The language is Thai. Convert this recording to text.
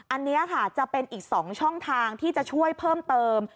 อันนี้ค่ะจะเป็นอีก๒ช่องทางที่จะช่วยเพิ่มเติม